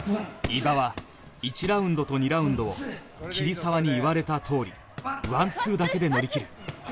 伊庭は１ラウンドと２ラウンドを桐沢に言われたとおりワンツーだけで乗りきる